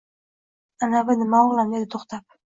Anavi nima, o’g’lim? – dedi to’xtab.